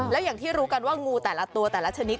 แล้วอย่างที่รู้กันว่างูแต่ละตัวแต่ละชนิด